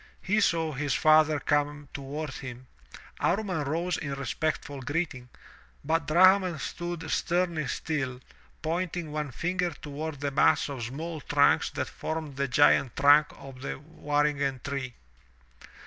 he saw his father come toward him. Amman rose in respectful greeting, but Drahman stood stemly still, pointing one finger toward the mass of small tmnks that formed the giant tmnk of the waringen tree.